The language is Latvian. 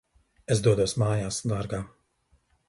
Es dodos mājās, dārgā.